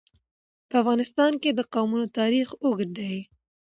په افغانستان کې د قومونه تاریخ اوږد دی.